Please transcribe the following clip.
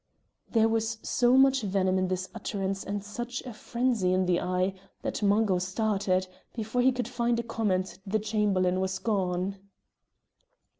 There was so much venom in the utterance and such a frenzy in the eye, that Mungo started; before he could find a comment the Chamberlain was gone.